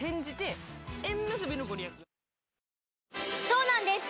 そうなんです